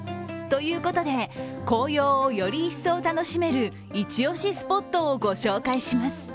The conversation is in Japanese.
ということで、紅葉をより一層楽しめる一押しスポットをご紹介します。